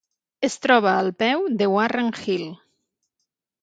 Es troba al peu de Warren Hill.